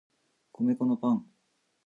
米粉のパン